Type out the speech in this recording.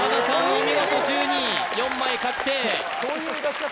お見事１２位４枚確定